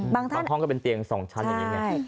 ห้องก็เป็นเตียง๒ชั้นอย่างนี้ไง